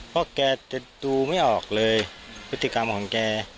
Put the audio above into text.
เพราะแกจะดูไม่ออกเลยพฤติกรรมของแก